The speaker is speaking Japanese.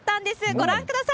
ご覧ください。